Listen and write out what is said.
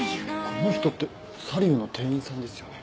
この人ってサリューの店員さんですよね？